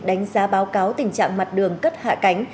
đánh giá báo cáo tình trạng mặt đường cất hạ cánh